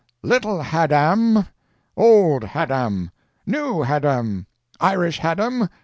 "Little Haddam!" "Old Haddam!" "New Haddam!" "Irish Haddam!"